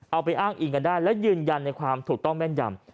เอาไปอ้างอิงกันได้และยืนยันในความถูกต้องแม่นยำ